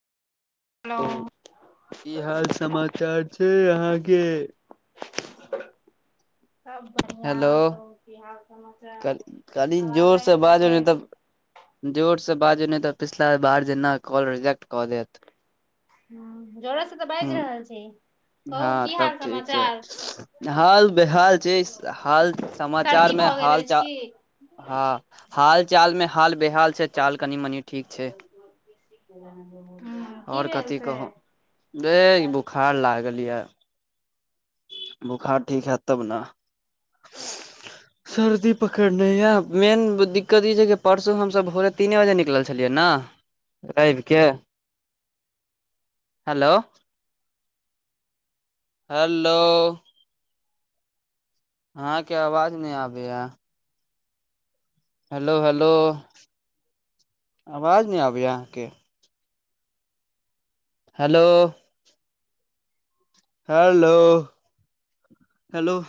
ओ कि हाल समाचार छै अहाँके सब बढ़िआ कहूँ हाल समाचार आवाज आबि रहल अइछ [inaudible] जोरसँ बाजू नहि तऽ पिछला बार जेना कॉल रिजेक्ट कऽ देत ह जोरेस से तऽ बाजि रहल छी हँ तब ठीक छै हाल बेहाल छै हाल समाचारमे हाल चाल हँ हाल चालमे हाल बेहाल छै चाल कनि मनि ठीक छै ओर कथी कहू बे बुखार लागल ये बोखार ठीक हैत तब न [inaudible] सर्दी पकड़ने यऽ मेन दिक्कत ई छै कि परसू हमसभ भोरे तीने बजे निकलल छलियै न रवि के हेलो हेलो आहाँके आवाज नहि आबै यऽ हेलो हेलो आवाज नइ आबै यऽ अहाँके हेलो हेलो हेलो